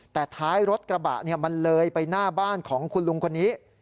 แต่ท้ายรถกระบะมันเลยไปหน้าบ้านของคุณลุงคนนี้